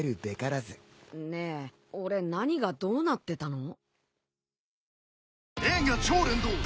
ねえ俺何がどうなってたの？